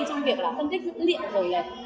trong việc phân tích dữ liệu